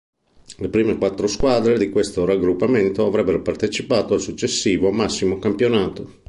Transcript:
Le prime quattro squadre di questo raggruppamento avrebbero partecipato al successivo massimo campionato.